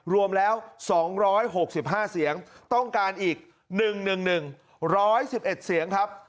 รวมแล้ว๒๖๕เสียงต้องการอีก๑๑๑๑๑๑๑๑๑เสียงครับ